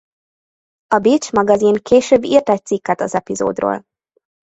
A Bitch magazin később írt egy cikket az epizódról.